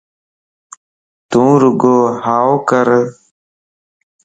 تو رڳو ھائوڪَر